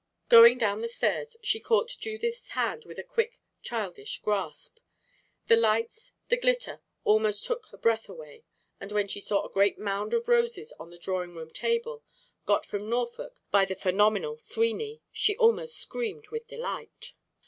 Going down the stairs she caught Judith's hand, with a quick, childish grasp. The lights, the glitter, almost took her breath away; and when she saw a great mound of roses on the drawing room table, got from Norfolk by the phenomenal Sweeney, she almost screamed with delight.